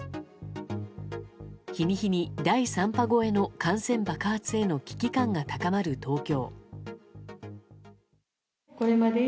日に日に第３波超えの感染爆発への危機感が高まる東京。